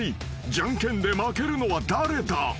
［ジャンケンで負けるのは誰だ？］